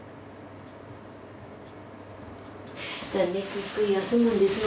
ゆっくり休むんですよ。